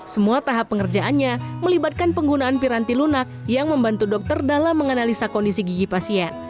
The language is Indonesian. semua tahap pengerjaannya melibatkan penggunaan piranti lunak yang membantu dokter dalam menganalisa kondisi gigi pasien